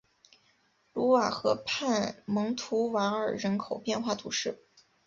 卢瓦河畔蒙图瓦尔人口变化图示